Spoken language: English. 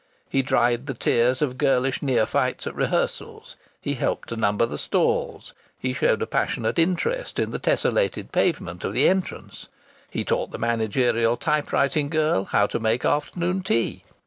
He dried the tears of girlish neophytes at rehearsals. He helped to number the stalls. He showed a passionate interest in the tessellated pavement of the entrance. He taught the managerial typewriting girl how to make afternoon tea.